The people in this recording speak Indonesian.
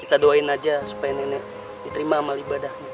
kita doain aja supaya nenek diterima amal ibadahnya